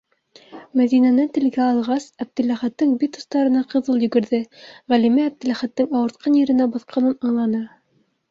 Мәҙинәне телгә алғас, Әптеләхәттең бит остарына ҡыҙыл йүгерҙе - Ғәлимә Әптеләхәттең ауыртҡан еренә баҫҡанын аңланы.